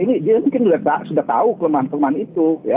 ini dia mungkin sudah tahu kelemahan kelemahan itu